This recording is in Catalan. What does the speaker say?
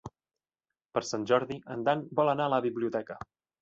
Per Sant Jordi en Dan vol anar a la biblioteca.